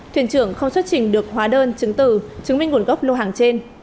thuyền trường không xuất trình được hóa đơn chứng tử chứng minh nguồn gốc lô hàng trên